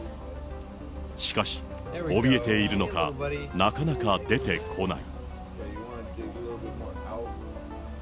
しかし、おびえているのか、なかなか出てこない。